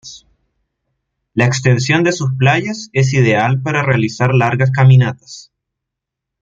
La extensión de sus playas es ideal para realizar largas caminatas.